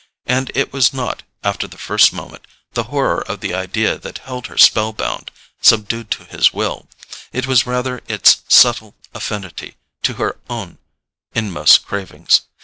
And it was not, after the first moment, the horror of the idea that held her spell bound, subdued to his will; it was rather its subtle affinity to her own inmost cravings.